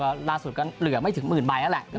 ก็ล่าสุดก็เหลือไม่ถึงหมื่นใบแล้วแหละ